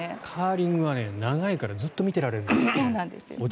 カーリングは長いからずっと見てられるんですよね。